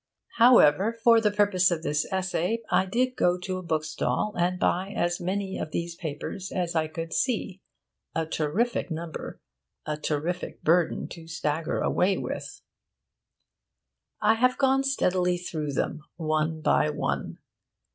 However, for the purpose of this essay, I did go to a bookstall and buy as many of these papers as I could see a terrific number, a terrific burden to stagger away with. I have gone steadily through them, one by one.